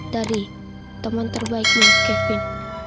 dari teman terbaikmu kevin